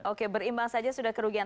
oke berimbang saja sudah kerugian